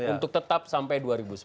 untuk tetap sampai dua ribu sembilan belas